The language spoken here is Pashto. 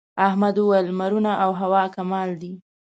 احمد وويل: لمرونه او هوا کمال دي.